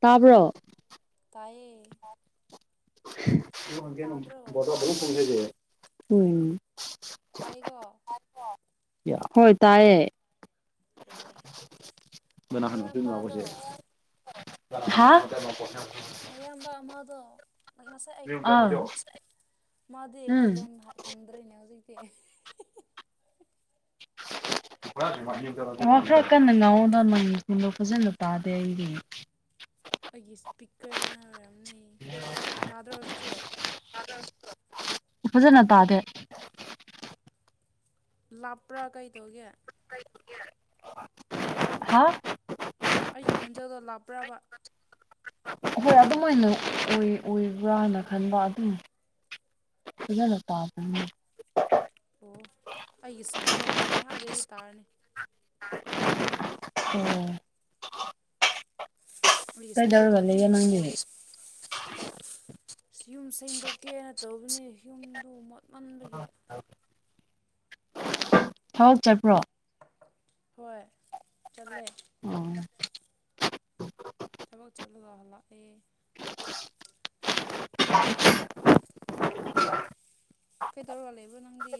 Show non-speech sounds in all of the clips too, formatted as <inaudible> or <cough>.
ꯇꯥꯕ꯭ꯔꯣ ꯇꯥꯏꯌꯦ ꯇꯥꯗ꯭ꯔꯣ <unintelligible> ꯎꯝ ꯇꯥꯏꯒꯣ ꯌꯥ ꯍꯣꯏ ꯇꯥꯏꯌꯦ ꯅꯌꯥꯝꯕꯗꯣ ꯍꯥꯥ ꯃꯌꯥꯝꯕ ꯑꯃꯗꯣ ꯉꯁꯥꯏ ꯑꯩ ꯈꯨꯝꯕꯗꯣ ꯑꯥ ꯃꯥꯗꯤ ꯑꯩꯈꯣꯏ ꯎꯝ ꯂꯣꯟ ꯈꯪꯗ꯭ꯔꯦꯅꯦ ꯍꯧꯖꯤꯛꯇꯤ <unintelligible> ꯋꯥ ꯈꯔ ꯀꯟꯅ ꯉꯥꯡꯉꯣꯗ ꯅꯪꯗꯣ ꯐꯖꯅ ꯇꯥꯗꯦ ꯑꯩꯗꯤ <unintelligible> ꯑꯩꯒꯤ ꯏꯁꯄꯤꯀꯔꯅ ꯑꯣꯏꯔꯝꯅꯤ ꯇꯥꯗ꯭ꯔꯣ ꯍꯧꯖꯤꯛꯁꯨ ꯐꯖꯅ ꯇꯥꯗꯦ ꯂꯥꯞꯄ꯭ꯔꯥ ꯀꯩꯇꯧꯒꯦ ꯍꯥ ꯑꯩꯒꯤ ꯈꯣꯟꯖꯦꯜꯗꯣ ꯂꯥꯞꯄ꯭ꯔꯕ ꯍꯣꯏ ꯑꯗꯨꯃꯥꯏꯅ ꯑꯣꯏ ꯑꯣꯏꯕ꯭ꯔꯥꯅ ꯈꯟꯕ ꯑꯗꯨꯝ ꯐꯖꯅ ꯇꯥꯗꯦꯅꯦ ꯑꯣ ꯑꯩꯒꯤ ꯏꯁꯄꯤꯀꯔꯅꯤ ꯉꯥꯏꯍꯥꯛ ꯂꯩꯗꯤ ꯇꯥꯔꯅꯤ ꯎꯝ ꯑꯩꯒꯤ ꯏꯁꯄꯤꯀꯔꯗꯣ ꯑꯗꯨꯝ ꯀꯩꯗꯧꯔꯝꯃꯤꯅꯣ ꯀꯣꯜ ꯅꯪꯒꯤꯗꯤ ꯑꯁ ꯌꯨꯝ ꯁꯦꯡꯗꯣꯛꯀꯦꯅ ꯇꯧꯕꯅꯤ ꯌꯨꯝꯗꯨ ꯃꯣꯠꯃꯟꯕꯒꯤ ꯊꯕꯛ ꯆꯠꯄ꯭ꯔꯣ ꯍꯣꯏ ꯆꯜꯂꯦ ꯑꯣ ꯊꯕꯛ ꯆꯠꯂꯒ ꯍꯜꯂꯛꯑꯦ <unintelligible> ꯀꯩꯗꯧꯔ ꯂꯩꯕ꯭ꯔꯣ ꯅꯪꯗꯤ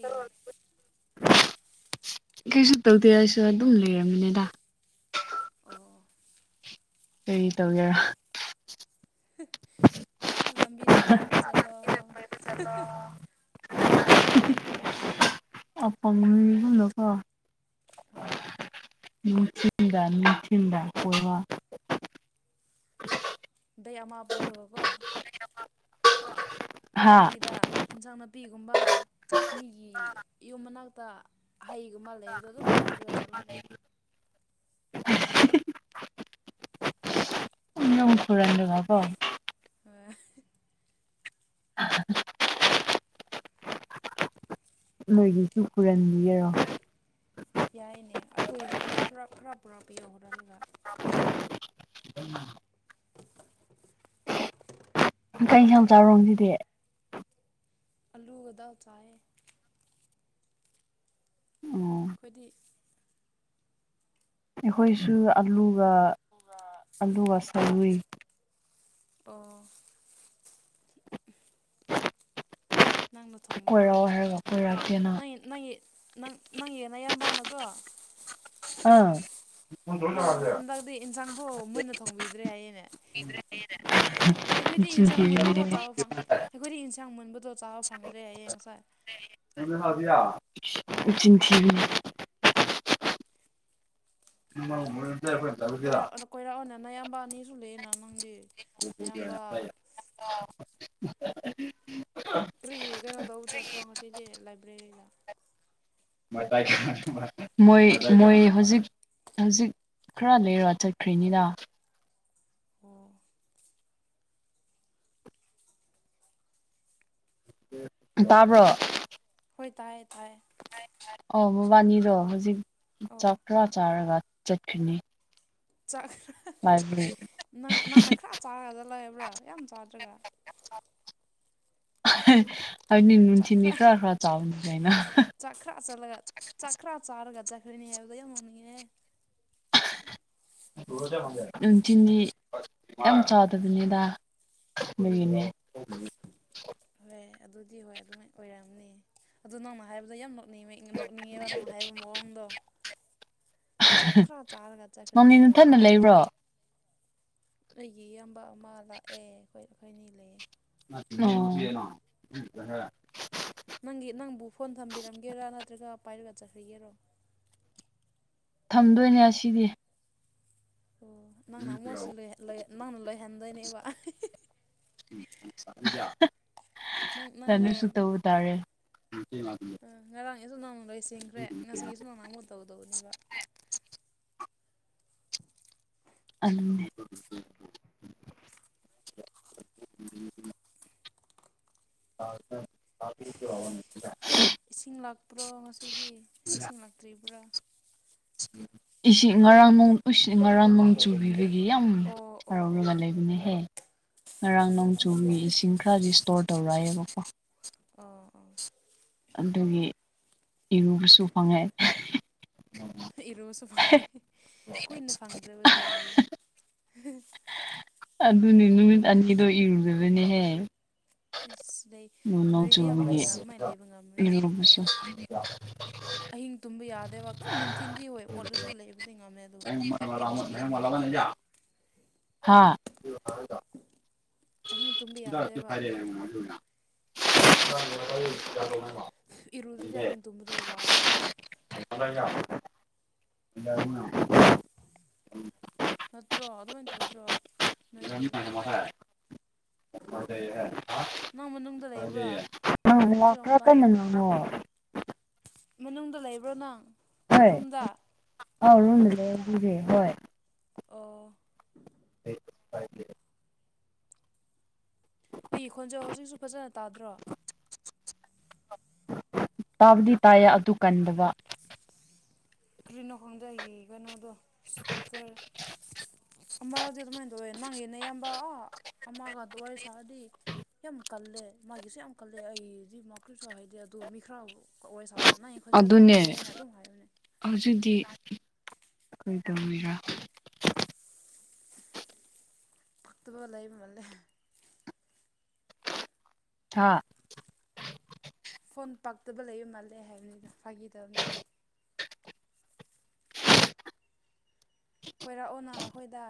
ꯀꯩꯁꯨ ꯇꯧꯗꯦ ꯑꯩꯁꯨ ꯑꯗꯨꯝ ꯂꯩꯔꯝꯃꯤꯅꯦꯗ ꯑꯣ ꯀꯔꯤ ꯇꯧꯒꯦꯔꯥ ꯑꯥ ꯂꯝꯕꯤꯗ ꯀꯣꯏꯕ ꯆꯠꯂꯣ ꯑꯄꯪꯕꯤꯅꯤꯅꯥꯀꯣ ꯍꯣꯏ ꯃꯤꯆꯤꯟꯗ ꯃꯤꯆꯤꯟꯗ ꯀꯋꯥ <unintelligible> ꯗꯩ ꯑꯃ ꯄꯨꯔꯒꯀꯣ ꯍꯥ ꯂꯝꯕꯤꯗ ꯏꯟꯖꯥꯡ ꯅꯥꯄꯤꯒꯨꯝꯕ ꯃꯤꯒꯤ ꯌꯨꯝ ꯃꯅꯥꯛꯇ ꯍꯩꯒꯨꯝꯕ ꯂꯩꯕꯗꯣ ꯑꯗꯨꯝ ꯍꯦꯛꯂꯒ ꯆꯠꯂꯨꯕ <unintelligible> ꯅꯪ ꯐꯨꯔꯪꯗꯅꯀꯣ ꯍꯣꯏ ꯑ ꯅꯣꯏꯒꯤꯁꯨ ꯍꯨꯔꯥꯟꯕꯤꯒꯦꯔꯣ ꯌꯥꯏꯅꯦ ꯑꯩꯈꯣꯏꯒꯤꯁꯨ ꯍꯤꯛ ꯈꯔꯞ ꯈꯔꯞ ꯄꯨꯔꯛꯄꯤꯌꯣ ꯍꯨꯔꯥꯜꯂꯒ <unintelligible> ꯀꯩ ꯏꯟꯁꯥꯡ <unintelligible> ꯑꯂꯨꯒꯗꯥꯜ ꯆꯥꯏ ꯑꯣ ꯈꯣꯏꯗꯤ ꯑꯩꯈꯣꯏꯁꯨ ꯑꯂꯨꯒ ꯑꯂꯨꯒ <unintelligible> ꯑꯣ ꯅꯪꯅ ꯊꯣꯡꯕ꯭ꯔꯣ ꯀꯣꯏꯔꯛꯑꯣ ꯍꯥꯏꯔꯒ ꯀꯣꯏꯔꯛꯇꯦꯅ ꯅꯣꯏ ꯅꯣꯏ ꯅꯪ ꯅꯪꯒꯤ ꯅꯌꯥꯝꯕꯅꯀꯣ ꯑꯥ ꯅꯪ ꯍꯟꯗꯛꯗꯤ ꯏꯟꯖꯥꯡꯕꯨ ꯃꯨꯟꯅ ꯊꯣꯡꯕꯤꯗ꯭ꯔꯦ ꯍꯥꯏꯌꯦꯅꯦ ꯑꯩꯈꯣꯏꯗꯤ ꯃꯆꯤꯟ ꯏꯟꯁꯥꯡ ꯊꯤꯕꯤꯅꯦ ꯃꯨꯟꯕꯐꯧ ꯆꯥꯕ ꯐꯪ ꯑꯩꯈꯣꯏꯗꯤ ꯏꯟꯁꯥꯡ ꯃꯨꯟꯕꯗꯣ ꯆꯥꯕ ꯐꯪꯗ꯭ꯔꯦ ꯍꯥꯏꯌꯦ ꯉꯁꯥꯏ <unintelligible> ꯃꯆꯤꯟ ꯊꯤꯔꯤꯅꯤ <unintelligible> ꯀꯣꯏꯔꯛ ꯀꯣꯏꯔꯥꯛꯑꯣꯅ ꯅꯌꯥꯝꯕ ꯑꯅꯤꯁꯨ ꯂꯩꯌꯦꯅ ꯅꯪꯗꯤ ꯏꯌꯥꯝꯕ <unintelligible> ꯀꯔꯤ ꯀꯩꯅꯣ ꯇꯧ ꯆꯠꯇ꯭ꯔꯣ ꯉꯁꯤꯗꯤ ꯂꯥꯏꯕ꯭ꯔꯦꯔꯤꯗ ꯃꯣꯏ ꯃꯣꯏ ꯍꯧꯖꯤꯛ ꯍꯧꯖꯤꯛ ꯈꯔ ꯂꯩꯔꯣ ꯆꯠꯈ꯭ꯔꯤꯅꯤꯅ ꯎꯝ ꯇꯥꯕ꯭ꯔꯣ ꯍꯣꯏ ꯇꯥꯏꯌꯦ ꯇꯥꯏ ꯑꯣ ꯃꯕꯥꯅꯤꯗꯣ ꯍꯧꯖꯤꯛ ꯑꯣ ꯆꯥꯛ ꯈꯔ ꯆꯥꯔꯒ ꯆꯠꯈ꯭ꯔꯤꯅꯤ ꯥꯆꯥꯛ ꯂꯥꯏꯕ꯭ꯔꯦꯔꯤ ꯅꯪ ꯅꯪꯅ ꯈꯔ ꯆꯥꯔꯒ ꯂꯩꯕ꯭ꯔꯥ ꯌꯥꯝ ꯆꯥꯗ꯭ꯔꯒ ꯍꯥꯏꯕꯗꯤ ꯅꯨꯡꯊꯤꯟꯒꯤ ꯈꯔ ꯈꯔ ꯆꯥꯕꯗꯤ ꯌꯥꯏꯅ ꯆꯥꯛ ꯈꯔ ꯆꯠꯂꯒ ꯆꯥꯛ ꯈꯔ ꯆꯥꯔꯒ ꯆꯠꯈ꯭ꯔꯅꯤ ꯍꯥꯏꯕꯗꯣ ꯌꯥꯝ ꯅꯣꯛꯅꯤꯡꯉꯦ ꯎꯝ ꯆꯤꯅꯤ ꯌꯥꯝ ꯆꯥꯗꯕꯅꯤꯗ ꯑꯣ ꯑꯗꯨꯒꯤꯅꯦ <unintelligible> ꯍꯣꯏ ꯑꯗꯨꯗꯤ ꯍꯣꯏ ꯑꯗꯨꯃꯥꯏ ꯑꯣꯏꯔꯝꯅꯤ ꯑꯗꯨ ꯅꯪꯅ ꯍꯥꯏꯕꯗꯣ ꯌꯥꯝ ꯅꯣꯛ <unintelligible> ꯅꯣꯛꯅꯤꯡꯉꯦꯕ ꯅꯪꯅ ꯍꯥꯏꯕ ꯃꯑꯣꯡꯗꯣ ꯆꯥꯛ ꯈꯔ ꯆꯥꯔꯒ ꯆꯠꯈ꯭ꯔꯅꯤ ꯅꯪꯗꯤ ꯍꯥꯏꯕꯗꯣ ꯅꯊꯟꯗ ꯂꯩꯕ꯭ꯔꯣ ꯑꯩꯒꯤ ꯏꯌꯥꯝꯕ ꯑꯃ ꯂꯥꯛꯑꯦ ꯑꯩꯈꯣꯏ ꯑꯩꯈꯣꯏꯅꯤ ꯂꯩꯌꯦ ꯑꯣ ꯅꯪꯒꯤ ꯅꯪꯕꯨ ꯐꯣꯟ ꯊꯝꯕꯤꯔꯝꯒꯦꯔꯥ ꯅꯠꯇ꯭ꯔꯒ ꯄꯥꯏꯔꯒ ꯆꯠꯈ꯭ꯔꯤꯒꯦꯔꯣ ꯊꯝꯗꯣꯏꯅꯦ ꯑꯁꯤꯗꯤ ꯑꯣ ꯅꯪꯅ ꯑꯃꯨꯠꯁꯤ ꯂꯣꯏ ꯂꯣꯏ ꯅꯪꯅ ꯂꯣꯏꯍꯟꯗꯣꯏꯅꯤꯕ ꯅꯪ ꯅꯪꯅ ꯇꯜꯂꯤꯁꯨ ꯇꯧ ꯇꯔꯦ ꯎꯝ ꯉꯔꯥꯡꯒꯤꯁꯨ ꯅꯪꯅ ꯂꯣꯏꯁꯤꯟꯈ꯭ꯔꯦ ꯉꯁꯤꯒꯤꯁꯨ ꯅꯪꯅ ꯑꯃꯨꯛ ꯇꯧꯗꯧꯅꯦꯕ ꯑꯅꯝꯅꯦ <unintelligible> ꯏꯁꯤꯡ ꯂꯥꯛꯄ꯭ꯔꯣ ꯉꯁꯤꯗꯤ ꯏꯁꯤꯡ ꯂꯥꯛꯇ꯭ꯔꯤꯕ꯭ꯔꯥ ꯏꯁꯤꯡ ꯉꯔꯥꯡ ꯅꯣꯡ <unintelligible> ꯉꯔꯥꯡ ꯅꯣꯡ ꯆꯨꯕꯤꯕꯒꯤ ꯌꯥꯝ ꯑꯣ ꯑꯣ ꯑꯣ ꯍꯔꯥꯎꯔꯒ ꯑꯣ ꯂꯩꯕꯅꯦꯍꯦ ꯉꯔꯥꯡ ꯅꯣꯡ ꯆꯨꯕꯒꯤ ꯏꯁꯤꯡ ꯈꯔꯗꯤ ꯏꯁꯇꯣꯔ ꯇꯧꯔꯛꯑꯦꯕꯀꯣ ꯑꯥ ꯑꯥ ꯑꯗꯨꯒꯤ ꯏꯔꯨꯕꯁꯨ ꯐꯪꯉꯦ ꯏꯔꯨꯕꯁꯨ ꯐꯪꯉꯦ ꯀꯨꯏꯅ ꯐꯪꯗ꯭ꯔꯕꯗꯣ ꯑꯩꯌꯦ ꯍ ꯑꯗꯨꯅꯦ ꯅꯨꯃꯤꯠ ꯑꯅꯤꯗꯣ ꯏꯔꯨꯗꯕꯅꯦꯍꯦ ꯑꯁ ꯂꯩ ꯅꯣꯡ ꯅꯣꯡ ꯅꯣꯏꯗꯤ ꯌꯥꯝ ꯆꯨꯕꯒꯤ ꯍꯥꯏꯌꯦꯅ ꯑꯗꯨꯃꯥꯏꯅ ꯂꯩꯕ ꯉꯝꯃꯗꯤ ꯏꯔꯨꯕꯁꯨ ꯑꯍꯤꯡ ꯇꯨꯝꯕ ꯌꯥꯗꯦꯕ ꯗꯨꯝ ꯅꯨꯡꯊꯤꯟꯗꯤ ꯍꯣꯏ ꯃꯣꯠꯂꯁꯨ ꯂꯩꯕꯗꯤ ꯉꯝꯃꯦ ꯑꯗꯨ ꯑꯍꯤꯡ ꯇꯨꯝꯕ ꯌꯥꯗꯦꯕ ꯍꯥꯥ ꯑꯍꯤꯡ ꯇꯨꯝꯕ ꯌꯥꯗꯦꯕ <unintelligible> ꯏꯔꯨꯗ꯭ꯔꯗꯤ ꯑꯍꯤꯡ ꯇꯨꯝꯕꯗꯣ ꯋꯥꯏꯑꯦꯕ <unintelligible> ꯅꯠꯇ꯭ꯔꯣ ꯑꯗꯨꯃꯥꯏꯟ ꯇꯧꯗ꯭ꯔꯣ ꯅꯣꯏꯗꯤ <unintelligible> ꯅꯪ ꯃꯅꯨꯡꯗ ꯂꯩꯕ꯭ꯔꯥ <unintelligible> ꯅꯪ ꯋꯥ ꯅꯠꯇ꯭ꯔꯒ ꯈꯔ ꯃꯄꯥꯟ ꯀꯟꯅ ꯉꯥꯡꯉꯣ ꯃꯅꯨꯡꯗ ꯂꯩꯕ꯭ꯔꯣ ꯅꯪ ꯔꯨꯝꯗ <unintelligible> ꯑꯣ <unintelligible> ꯑꯩꯒꯤ ꯈꯣꯟꯖꯦꯜ ꯍꯧꯖꯤꯛꯁꯨ ꯐꯖꯅ ꯇꯥꯗ꯭ꯔꯣ ꯇꯥꯕꯗꯤ ꯇꯥꯏꯌꯦ ꯑꯗꯨ ꯀꯟꯗꯕ ꯀ꯭ꯔꯤꯅꯣ ꯈꯪꯗꯦ ꯑꯩꯒꯤ ꯀꯩꯅꯣꯗꯣ ꯏ꯭ꯁꯄꯤꯀꯔ ꯑꯃꯥꯔꯛꯗꯤ ꯑꯗꯨꯃꯥꯏꯟ ꯇꯧꯋꯦ ꯅꯪꯒꯤ ꯅꯌꯥꯝꯕ ꯑꯥ ꯑꯃꯥꯒ ꯑꯗꯨꯋꯥꯔꯤ ꯁꯥꯔꯗꯤ ꯌꯥꯝ ꯀꯜꯂꯦ ꯃꯥꯒꯤꯁꯨ ꯌꯥꯝ ꯀꯜꯂꯦ ꯑꯩꯒꯤꯗꯤ ꯃꯥ ꯀꯔꯤꯁꯨ ꯍꯥꯏꯗꯦ ꯑꯗꯨ ꯃꯤ ꯈꯔ ꯋꯥꯔꯤ ꯁꯥꯕ ꯄ ꯅꯪꯒꯤ ꯈꯣꯟꯖꯦꯜ ꯇꯥꯗꯦ ꯍꯥꯏꯅ ꯑꯗꯨꯝ ꯍꯥꯏꯌꯣꯅꯦ ꯍꯧꯖꯤꯛꯗꯤ ꯀꯩꯗꯧꯔꯤꯔꯥ ꯄꯛꯇꯕ ꯂꯩꯕ ꯃꯥꯂꯦ ꯍꯥ ꯐꯣꯟ ꯄꯛꯇꯕ ꯂꯩꯕ ꯃꯥꯜꯂꯦ ꯍꯥꯏꯕꯅꯤꯗ ꯐꯥꯒꯤ ꯇꯧꯅꯤꯗ ꯀꯣꯏꯔꯛꯑꯣꯅ ꯑꯈꯣꯏꯗ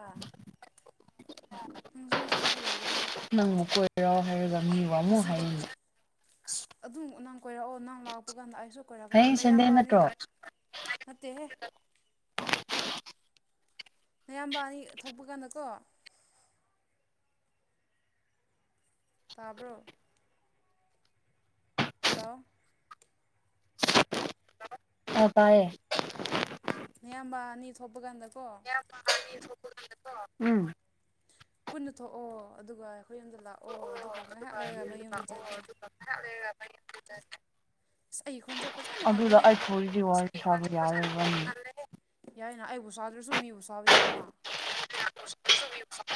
ꯅꯪꯁꯨ ꯅꯊꯟꯗꯥ ꯂꯩꯒꯅꯤ ꯅꯪꯕꯨ ꯀꯣꯏꯔꯣ ꯍꯥꯏꯔꯒ ꯃꯤ ꯋꯥ ꯃꯨꯛ ꯑꯁꯤꯗ ꯍꯥꯏꯌꯤꯅꯦ ꯏꯁ ꯑꯗꯨꯝ ꯅꯪ ꯀꯣꯏꯔꯛꯑꯣ ꯅꯪ ꯂꯥꯛꯄ ꯀꯥꯟꯗ ꯑꯩꯁꯨ ꯀꯣꯏꯔꯛꯀꯅꯤ ꯍꯌꯦꯡ ꯁꯟꯗꯦ ꯅꯌꯥꯝꯕ ꯑꯅꯤ ꯅꯠꯇ꯭ꯔꯣ ꯂꯛ ꯅꯠꯇꯦꯍꯦ ꯅꯌꯥꯝꯕ ꯑꯅꯤ ꯊꯣꯛꯄ ꯀꯥꯟꯗ ꯀꯣ ꯇꯥꯕ꯭ꯔꯣ ꯍꯜꯂꯣ ꯑꯣ ꯇꯥꯌꯦ ꯑꯣ ꯅꯌꯥꯝꯕ ꯑꯅꯤ ꯊꯣꯛꯄ ꯀꯥꯟꯗ ꯀꯣ <unintelligible> ꯎꯝ ꯄꯨꯟꯅ ꯊꯣꯛꯑꯣ ꯑꯗꯨꯒ ꯑꯩꯈꯣꯏ ꯌꯨꯝꯗ ꯂꯥꯛꯑꯣ ꯑꯗꯨꯒ ꯉꯥꯏꯍꯥꯛ ꯂꯩꯔꯒ ꯅꯣꯏ ꯌꯨꯝꯗ ꯆꯠꯁꯦ ꯑꯁ ꯑꯩ ꯈꯣꯟꯖꯦꯜ ꯐꯖꯅ <unintelligible> ꯍꯜꯂꯦꯍꯦ <unintelligible> ꯌꯥꯏꯅ ꯑꯩꯕꯨ ꯁꯥꯗ꯭ꯔꯁꯨ ꯃꯤꯕꯨ ꯁꯥꯕ ꯌꯥꯏꯅ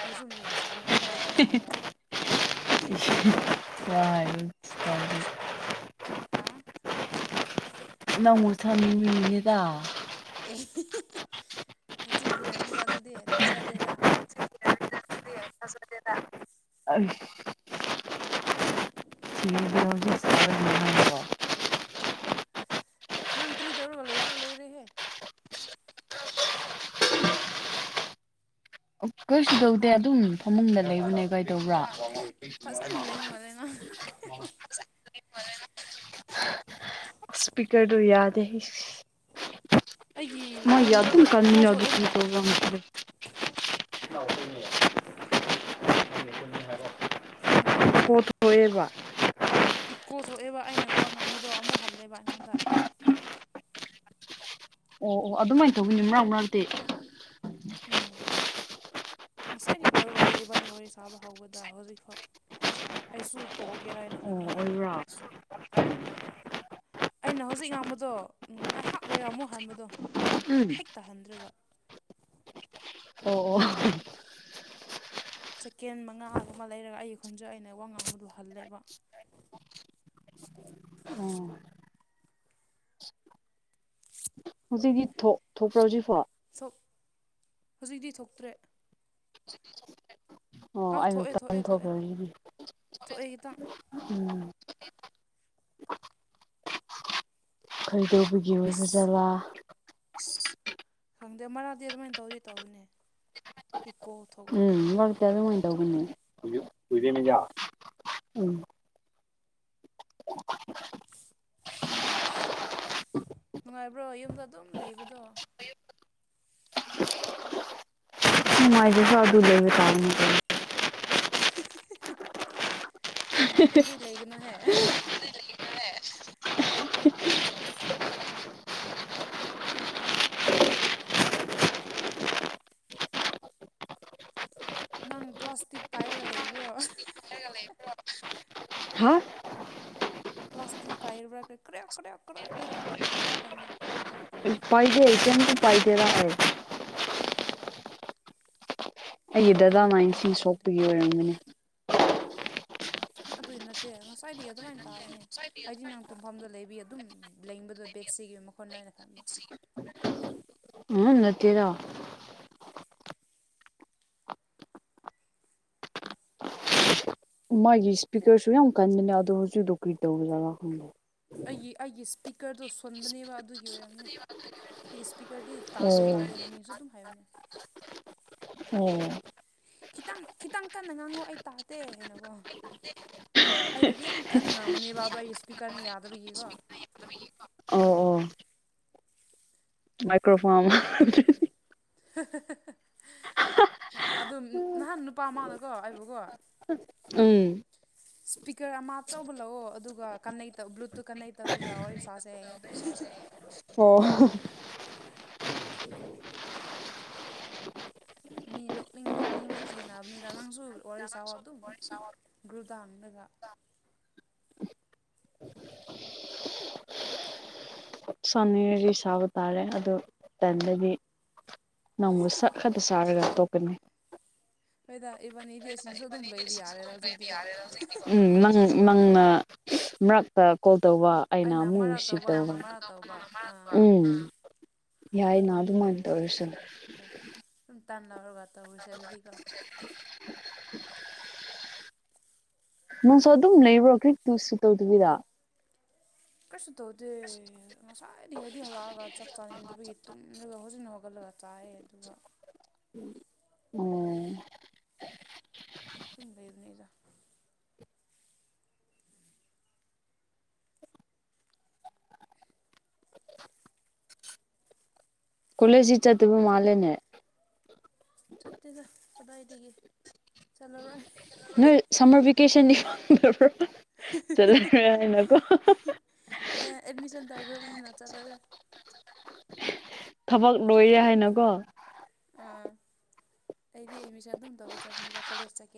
ꯑꯩꯁꯨ ꯃꯤꯕꯨ ꯁꯃꯤ ꯑꯇꯣꯞꯄꯕꯨ ꯁꯥꯕ ꯌꯥꯏꯅ <unintelligible> ꯍꯥꯥ <unintelligible> ꯅꯪꯕꯨ ꯁꯥꯅꯤꯡꯕꯒꯤꯅꯤꯗ ꯑꯦ ꯍꯤ ꯍꯤ ꯍꯤ ꯅꯆꯤꯟ ꯊꯤꯔꯝꯅꯤꯗ ꯑꯗꯨꯗꯤ ꯊꯥꯖꯗꯦꯗ <unintelligible> ꯑꯁ <unintelligible> ꯅꯪ ꯀꯔꯤ ꯇꯧꯔꯒ ꯂꯩꯕ꯭ꯔꯣ ꯂꯣꯏꯔꯦꯍꯦ ꯀꯩꯁꯨ ꯇꯧꯗꯦ ꯍꯥ ꯑꯗꯨꯝ ꯐꯃꯨꯡꯗ ꯂꯩꯕꯅꯦ ꯀꯥꯏꯗꯧꯕ꯭ꯔꯥ ꯐꯖꯅ ꯂꯩ ꯃꯥꯜꯂꯦ ꯉꯣ ꯁ꯭ꯄꯤꯀꯔꯗꯨ ꯌꯥꯗꯦ ꯑꯩꯒꯤ ꯃꯣꯏꯒꯤ ꯑꯗꯨꯝ ꯈꯣꯟꯖꯦꯜꯗꯣ ꯏꯀꯣ ꯀꯅꯤ ꯊꯣꯛꯑꯦꯅꯦ <unintelligible> ꯈꯪꯗꯦꯅꯦ ꯂꯣꯏꯑꯦꯕ ꯏꯀꯣ ꯊꯣꯛꯑꯦꯕ ꯑꯩꯅ ꯋꯥ ꯉꯥꯡꯕꯗꯣ ꯑꯃꯨꯛ ꯍꯜꯂꯦꯕ ꯑꯩꯉꯣꯟꯗ ꯑꯣ ꯑꯣ ꯑꯗꯨꯃꯥꯏꯅ ꯇꯧꯕꯤꯅꯤ ꯃꯔꯛ ꯃꯔꯛꯇꯤ ꯎꯝ ꯉꯁꯥꯏꯗꯒꯤ ꯇꯧꯔꯒ ꯂꯩ ꯏꯕꯥꯅꯤ ꯋꯥꯔꯤ ꯁꯥꯥꯕ ꯍꯥꯎꯕꯗ ꯍꯧꯖꯤꯛꯐꯥꯎ ꯑꯩꯁꯨ ꯇꯣꯛꯑꯒꯦꯔꯅ ꯍꯥꯏꯅ ꯑꯣ ꯈꯟꯕꯅꯤ ꯑꯣꯏꯕ꯭ꯔꯥ ꯎꯝ ꯑꯩꯅ ꯍꯧꯖꯤꯛ ꯉꯥꯡꯕꯗꯣ ꯎꯝ ꯉꯥꯏꯍꯥꯛ ꯂꯩꯔꯝꯃꯣ ꯍꯟꯕꯗꯣ ꯎꯝ ꯍꯦꯛ ꯇꯥꯍꯟꯗ꯭ꯔꯒ ꯑꯣ ꯑꯣ ꯁꯦꯀꯦꯟ ꯃꯉꯥ ꯑꯃ ꯂꯩꯔꯒ ꯑꯩꯈꯣꯟꯁꯨ ꯑꯩꯅ ꯋꯥ ꯉꯥꯡꯕꯗꯨ ꯍꯜꯂꯦꯕ ꯑꯣ ꯍꯧꯖꯤꯛꯇꯤ ꯊꯣꯛ ꯊꯣꯛꯄꯔ ꯍꯧꯖꯤꯐꯥꯎ ꯁꯣ ꯍꯧꯖꯤꯛꯇꯤ ꯊꯣꯛꯇ꯭ꯔꯦ ꯑꯣ ꯑꯥ ꯑꯩꯅꯥ ꯊꯣꯛꯑꯦ ꯊꯣꯛꯑꯦ ꯊꯣꯛꯑꯦ ꯇꯟꯊꯣꯛꯈꯔꯤꯕꯅꯤ ꯊꯣꯛꯑꯦ ꯈꯤꯇꯪ ꯎꯝ ꯈꯩꯗꯧꯕꯒꯤ ꯏꯁ ꯑꯣꯏꯕꯖꯥꯠꯂꯥ ꯈꯪꯗꯦ ꯃꯔꯛꯗꯤ ꯑꯗꯨꯃꯥꯏꯅ ꯇꯧꯗꯤ ꯇꯧꯕꯅꯦ ꯏꯀꯣꯊꯣꯛ ꯎꯝ ꯅꯪ ꯀꯃꯥꯏ ꯇꯧꯒꯅꯤ ꯎꯝ <unintelligible> ꯎꯝ ꯅꯨꯡꯉꯥꯏꯕ꯭ꯔꯣ ꯌꯨꯝꯗ ꯑꯗꯨꯝ ꯂꯩꯕꯗꯣ ꯅꯨꯡꯉꯥꯏꯇꯦꯗ ꯑꯗꯨ ꯂꯩꯕ ꯇꯥꯕꯅꯤ ꯀꯩꯅꯣ ꯍꯤꯍꯤꯍꯤ ꯅꯨꯡꯉꯥꯏꯇ꯭ꯔꯗꯤ ꯂꯩꯒꯅꯨꯍꯦ ꯅꯪ ꯄ꯭ꯂꯥꯁꯇꯤꯛ ꯄꯥꯏꯔꯒ ꯂꯩꯕ꯭ꯔꯣ <unintelligible> ꯍꯥ ꯄ꯭ꯂꯥꯁꯇꯤꯛ ꯄꯥꯏꯔꯕ꯭ꯔꯥ ꯅ ꯀ꯭ꯔꯛ ꯀ꯭ꯔꯦꯛꯞ ꯀ꯭ꯔ ꯀ꯭ꯔꯦꯛ ꯌꯥꯝ ꯇꯧꯋꯦꯕ ꯃꯈꯣꯟꯗꯣ ꯄꯥꯏꯗꯦ ꯀꯩꯝꯃꯥꯇ ꯄꯥꯏꯒꯦꯔ ꯑꯩ ꯑꯩꯒꯤ ꯗꯗꯥ ꯀꯔꯤ ꯃꯥꯏꯅ ꯃꯈꯣꯟꯗ ꯏꯁꯤꯡ ꯈꯪꯗꯦ ꯁꯣꯛꯄꯒꯤ ꯑꯣꯏꯔꯝꯒꯅꯤ ꯑꯗꯨꯏ ꯅꯠꯇꯦ ꯉꯁꯥꯏꯗꯒꯤ ꯑꯗꯨꯃꯥꯏꯟ ꯇꯥꯕꯅꯤ ꯍꯥꯏꯗꯤ ꯅꯪ ꯇꯨꯡꯐꯝꯗ ꯂꯩꯕꯤ ꯑꯗꯨꯝ ꯂꯦꯡꯕꯗꯣ ꯕꯦꯠꯁꯤꯒꯤ ꯃꯈꯣꯟꯗ ꯑꯣꯏꯅ ꯈꯟꯕ ꯎꯍꯨꯝ ꯅꯠꯇꯦꯔꯥ ꯃꯥꯒꯤ ꯏꯁꯄꯤꯀꯔꯁꯨ ꯌꯥꯝ ꯀꯟꯕꯅꯦ ꯑꯗꯣ ꯍꯧꯖꯤꯛꯗꯣ ꯀꯔꯤ ꯇꯧꯕ ꯖ꯭ꯥꯠꯂꯥ ꯈꯪꯗꯦ ꯑꯩꯒꯤ ꯑꯩꯒꯤ ꯏꯁꯄꯤꯀꯔꯗꯣ ꯁꯣꯟꯕꯅꯦꯕ ꯑꯗꯨꯒꯤ ꯑꯣꯏꯔꯝꯅꯦ ꯄꯤꯁ ꯄꯤꯀꯔꯗꯤ ꯇꯥꯗꯦ ꯇꯥꯗꯦꯅ ꯃꯤꯁꯨ ꯑꯗꯨꯝ ꯍꯥꯏꯕꯅꯦ ꯑꯣ ꯈꯤꯇꯪ ꯈꯤꯇꯪ ꯀꯟꯅ ꯉꯥꯡꯉꯣ ꯑꯩ ꯇꯥꯗꯦ ꯍꯥꯏꯅꯀꯣ ꯑꯩꯅꯗꯤ ꯌꯥꯝ ꯀꯟꯅ ꯉꯥꯡꯕꯅꯦꯕ ꯑꯗꯣ ꯑꯩ ꯏꯁꯄꯤꯀꯔꯅ ꯌꯥꯗꯕꯒꯤꯀꯣ ꯑꯧ ꯑꯣ ꯃꯥꯏꯀ꯭ꯔꯣꯐꯣꯝ ꯍꯣꯏ ꯑꯗꯨꯝ ꯅꯍꯥꯟ ꯅꯨꯄꯥ ꯑꯃꯅꯀꯣ ꯑꯩꯕꯨꯀꯣ ꯎꯝ ꯁ꯭ꯄꯤꯀꯔ ꯑꯃ ꯑꯆꯧꯕ ꯂꯧꯑꯣ ꯑꯗꯨꯒ ꯀꯟꯅꯦꯛ ꯇꯧ ꯕ꯭ꯂꯨꯇꯨꯠ ꯀꯟꯅꯦꯛ ꯇꯧꯔꯒ ꯋꯥꯔꯤ ꯁꯥꯁꯦꯌꯦ ꯑꯣ ꯃꯤ ꯅꯣꯛꯅꯤꯡ ꯅꯣꯛꯅꯤꯡꯕꯁꯨ ꯊꯦꯡꯅꯕꯅꯤꯗ ꯅꯪꯁꯨ ꯋꯥꯔꯤ ꯁꯥꯑꯣ ꯑꯗꯨꯝ ꯒ꯭ꯔꯨꯗꯥꯝꯗꯒ ꯁꯥꯅꯤꯡꯂꯗꯤ ꯁꯥꯕ ꯇꯥꯔꯦ ꯑꯗꯣ ꯇꯟꯂꯗꯤ ꯅꯣꯡꯃ ꯁꯛ ꯈꯔꯗꯤ ꯁꯥꯔꯒ ꯇꯣꯛꯀꯅꯤ ꯍꯣꯏꯗ ꯏꯕꯥꯟꯅꯤꯗꯤ ꯑꯁꯤꯗꯁꯨ ꯑꯗꯨꯝ ꯂꯩꯕ ꯌꯥꯔꯦꯗ ꯍꯧꯖꯤꯛꯇꯤꯀꯣ ꯎꯝ ꯅꯪ ꯅꯪꯅ ꯃꯔꯛꯇ ꯀꯣꯜ ꯇꯧꯕ ꯑꯩꯅ ꯑꯃꯨꯛ ꯑꯃꯔꯛ ꯔꯤꯁꯤꯕ ꯅꯪꯅ ꯇꯧꯕ ꯑꯃꯔꯛ ꯇꯧꯕ ꯑꯥ ꯎꯝ ꯐꯣꯟ ꯌꯥꯏꯅ ꯇꯧꯔꯗꯤ ꯑꯗꯨꯃꯥꯏꯅ ꯂꯣꯏꯔꯦꯅꯦ ꯇꯧꯔꯁꯨ ꯍꯣꯏ ꯁꯨꯝ ꯇꯟ ꯂꯧꯔꯒ ꯇꯧꯔꯁꯦ ꯑꯗꯨꯗꯤꯀꯣ ꯅꯪꯁꯨ ꯑꯗꯨꯝ ꯂꯩꯕ꯭ꯔꯣ ꯀꯔꯤꯃꯇꯥꯁꯨ ꯇꯧꯗꯕꯤꯗ ꯀꯩꯁꯨ ꯇꯧꯗꯦ ꯉꯁꯥꯏꯗꯒꯤ ꯑꯩꯗꯤ ꯍꯜꯂꯛꯑꯒ ꯆꯥꯛ ꯆꯥꯅꯤꯡꯗꯕꯒꯤ ꯇꯨꯝꯔꯒ ꯍꯧꯖꯤꯛꯅ ꯍꯧꯒꯠꯂꯒ ꯆꯥꯏꯑꯦ ꯑꯗꯨꯒ ꯎꯝ ꯁꯨꯝ ꯂꯩꯕꯅꯤꯗ ꯀꯣꯂꯦꯖꯗꯤ ꯆꯠꯇꯕ ꯑꯩꯈꯣꯏ ꯃꯥꯜꯂꯦꯅꯦ ꯆꯠꯇꯦꯗ ꯀꯗꯥꯏꯗꯒꯤ ꯆꯠꯂꯔꯣꯏ ꯅꯣꯏ ꯁꯝꯃꯔ ꯚꯦꯀꯦꯁꯟꯗꯤ ꯐꯡꯗꯕ꯭ꯔꯣ ꯆꯠꯂꯔꯣꯢ ꯍꯥꯏꯅꯀꯣ ꯑꯔꯣꯢꯕꯅꯤꯅ ꯆꯠꯂꯔꯣꯢ ꯊꯕꯛ ꯂꯣꯏꯔꯦ ꯍꯥꯏꯅꯀꯣ ꯑꯥ ꯑꯩꯗꯤ ꯑꯦꯃꯤꯁꯟ ꯑꯗꯨꯝ ꯇꯧꯕ ꯆꯠꯄꯅꯤꯗ ꯀꯣꯂꯦꯖ ꯆꯠꯀꯦ